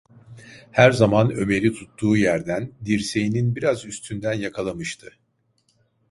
Her zaman Ömer’i tuttuğu yerden, dirseğinin biraz üstünden yakalamıştı.